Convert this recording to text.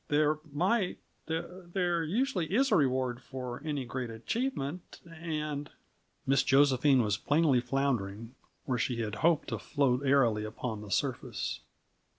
"There might there usually is a reward for any great achievement and " Miss Josephine was plainly floundering where she had hoped to float airily upon the surface.